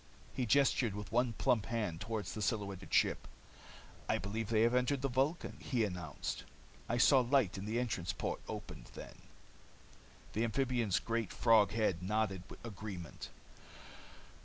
He gestured with one plump hand toward the silhouetted ship. "I believe they have entered the Vulcan," he announced. "I saw light as the entrance port opened then." The amphibian's great, frog head nodded agreement.